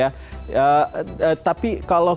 tapi kalau kita ketahui bahwa tuhan sudah berjalan